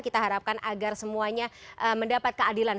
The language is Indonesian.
kita harapkan agar semuanya mendapat keadilan